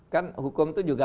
kan hukum itu juga